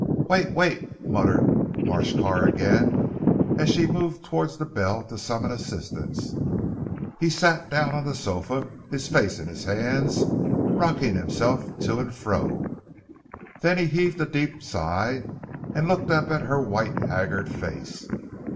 "Wait! Wait" muttered Marsh Carr again as she moved towards the bell to summon assistance. He sat down on the sofa, his face in his hands, rocking himself to and fro. Then he heaved a deep sigh, and looked up at her white haggard face.